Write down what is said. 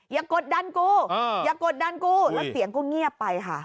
กดดันกูอย่ากดดันกูแล้วเสียงก็เงียบไปค่ะ